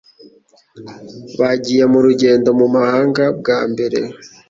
Bagiye mu rugendo mu mahanga bwa mbere.